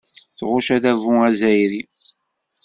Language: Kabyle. Tɣucc adabu azzayri.